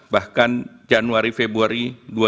bahkan januari februari dua ribu dua puluh